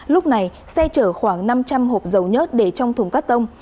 lúc này xe chở khoảng năm trăm linh hộp dầu nhớt để trong thùng cắt tông